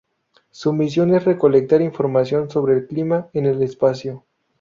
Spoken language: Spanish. Su misión es recolectar información sobre el clima en el espacio.